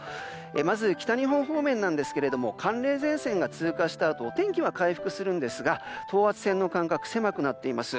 まず北日本方面なんですけれども寒冷前線が通過したあとお天気は回復しますが等圧線の間隔が狭くなっています。